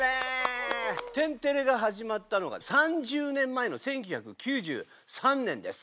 天てれがはじまったのが３０年前の１９９３年です。